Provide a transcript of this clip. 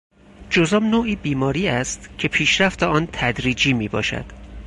جذام نوعی بیماری است که پیشرفت آن تدریجی میباشد.